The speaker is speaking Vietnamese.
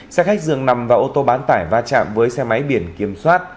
xe khách dường nằm và ô tô bán tải va chạm với xe máy biển kiểm soát